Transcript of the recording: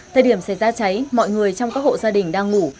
thời điểm xảy ra cháy mọi người trong các hộ gia đình đang ngủ